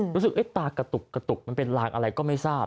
รู้สึกตากระตุกกระตุกมันเป็นลางอะไรก็ไม่ทราบ